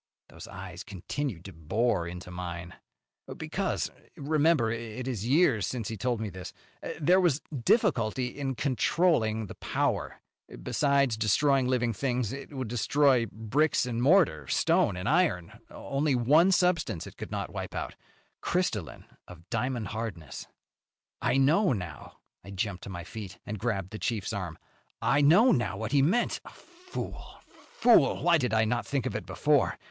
Those eyes continued to bore into mine. "Because remember it is years since he told me this there was difficulty in controlling the power. Besides destroying living things, it would destroy bricks and mortar, stone and iron. Only one substance it could not wipe out crystalline of diamond hardness. "I know, now!" I jumped to my feet and grabbed the chief's arm. "I know now what he meant. Fool, fool! Why did I not think of it before?